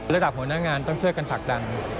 ระดับหัวหน้างานต้องช่วยกันผลักดัน